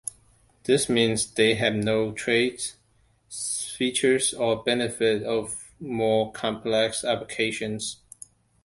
This means they have no traits, features, or benefits of more complex applications.